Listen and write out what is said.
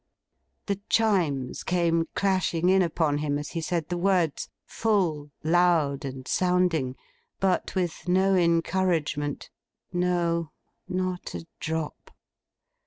The Chimes came clashing in upon him as he said the words. Full, loud, and sounding—but with no encouragement. No, not a drop.